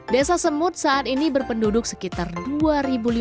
desa semut saat ini berpenduduk sekitar dua